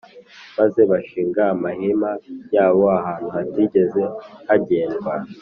maze bashinga amahema yabo ahantu hatigeze hagendwa;